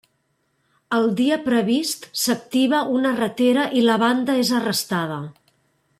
El dia previst, s'activa una ratera i la banda és arrestada.